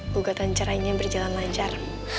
bukatan cerainya berjalan lancar